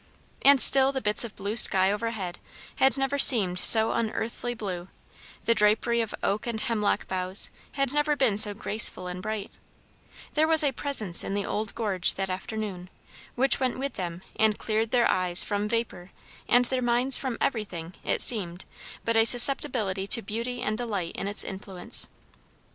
And still the bits of blue sky overhead had never seemed so unearthly blue; the drapery of oak and hemlock boughs had never been so graceful and bright; there was a presence in the old gorge that afternoon, which went with them and cleared their eyes from vapour and their minds from everything, it seemed, but a susceptibility to beauty and delight in its influence.